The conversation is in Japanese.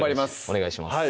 お願いします